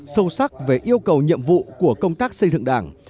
sâu sắc về yêu cầu nhiệm vụ của công tác xây dựng đảng